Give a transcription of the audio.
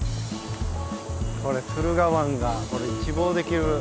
これ駿河湾が一望できる。